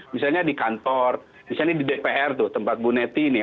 misalnya di kantor misalnya di dpr tuh tempat bu neti ini